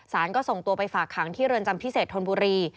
ก็ส่งตัวไปฝากขังที่เรือนจำพิเศษธนบุรี